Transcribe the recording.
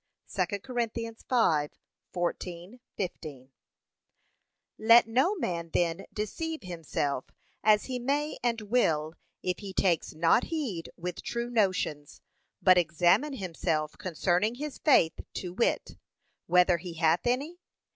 (2 Cor. 5:14,15) Let no man, then, deceive himself, as he may and will if he takes not heed with true notions, but examine himself concerning his faith, to wit; Whether he hath any?